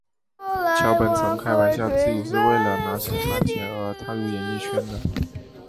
桥本曾开玩笑自己是为了拿省饭钱而踏入演艺圈的。